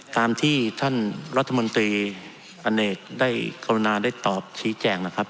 ตามที่ท่านรัฐมนตรีอเนกได้กรุณาได้ตอบชี้แจงนะครับ